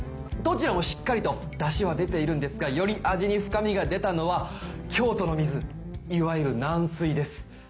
どちらもしっかりとダシは出ているんですがより味に深みが出たのは京都の水いわゆる軟水です